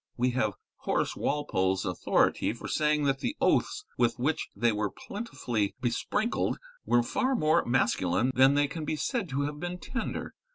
We have Horace Walpole's authority for saying that the oaths with which they were plentifully besprinkled were far more masculine than they can be said to have been tender.